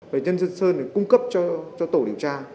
về nhân dân sơn để cung cấp cho tổ điều tra